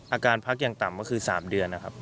อาการพักอย่างต่ำก็คือ๓เดือนนะครับ